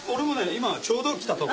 今ちょうど来たとこ。